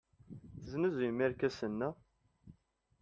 Tesnuzuyem irkasen, naɣ?